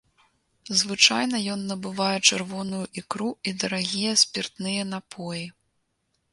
Звычайна ён набывае чырвоную ікру і дарагія спіртныя напоі.